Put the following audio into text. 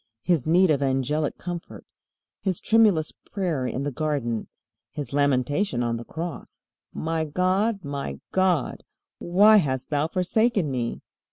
His need of angelic comfort, His tremulous prayer in the garden, His lamentation on the Cross, "My God, my God, why hast thou forsaken me?"